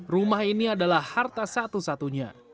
rumah ini adalah harta satu satunya